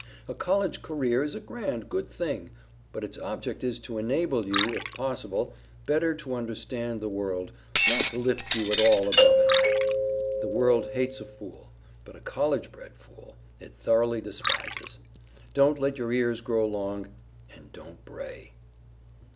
A College career is a grand, good thing; but its object is to enable you, if possible, better to understand the World, not to lift you at all above it. The World hates a fool; but a College bred fool, it thoroughly despises. Don't let your ears grow long, and don't bray.